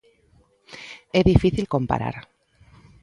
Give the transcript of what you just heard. É difícil comparar.